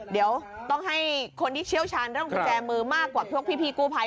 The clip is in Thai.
เดี๋ยวต้องให้คนที่เชี่ยวชั้นแล้วต้องแจมือมากกว่าพี่กูภัย